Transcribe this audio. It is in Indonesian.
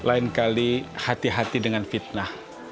lain kali hati hati dengan fitnah